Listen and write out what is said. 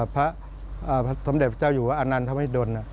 พระสำเด็จพระเจ้าอยู่ว่านันทัพมิดล